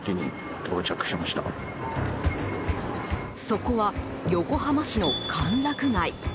そこは横浜市の歓楽街。